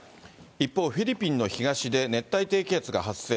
一方、フィリピンの東で熱帯低気圧が発生。